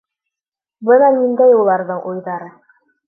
Бына ниндәй уларҙың уйҙары...